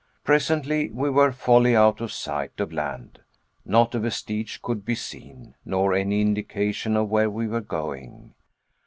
Presently we were wholly out of sight of land; not a vestige could be seen, nor any indication of where we were going.